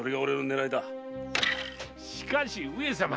しかし上様。